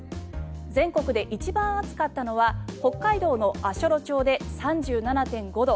全国で一番暑かったのは北海道の足寄町で３７．５度。